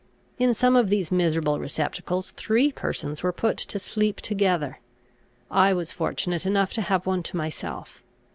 In some of these miserable receptacles three persons were put to sleep together.[D] I was fortunate enough to have one to myself.